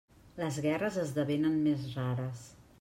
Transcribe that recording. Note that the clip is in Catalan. Les guerres esdevenen més rares.